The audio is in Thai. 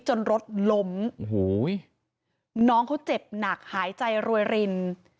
จนรถล้มน้องเขาเจ็บหนักหายใจรวยริน